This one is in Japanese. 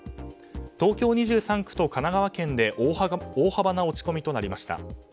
東京２３区と神奈川県で大幅な落ち込みとなりました。